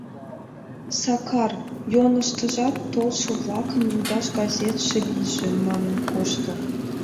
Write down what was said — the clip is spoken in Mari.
Сакар, йоҥыжташ толшо-влаклан лудаш газет лийже», — манын кошто.